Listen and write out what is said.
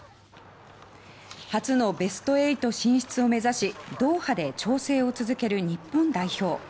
初のベスト８進出を目指しドーハで調整を続ける日本代表。